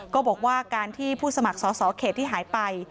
ก็บอกว่าการที่ผู้สมัครสอสอเขตที่หายไป